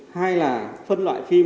hay là phân loại phim